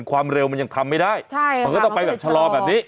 ความเร็วมันยังทำไม่ได้มันก็ต้องไปแบบชะลอแบบนี้